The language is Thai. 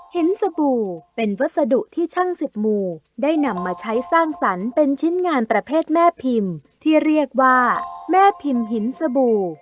สบู่เป็นวัสดุที่ช่างศึกหมู่ได้นำมาใช้สร้างสรรค์เป็นชิ้นงานประเภทแม่พิมพ์ที่เรียกว่าแม่พิมพ์หินสบู่